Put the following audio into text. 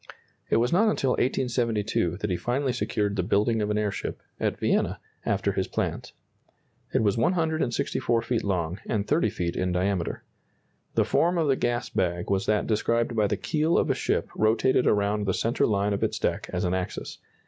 It was not until 1872 that he finally secured the building of an airship, at Vienna, after his plans. It was 164 feet long, and 30 feet in diameter. The form of the gas bag was that described by the keel of a ship rotated around the centre line of its deck as an axis.